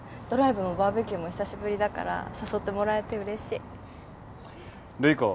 ドライブもバーベキューも久しぶりだから誘ってもらえてうれしい。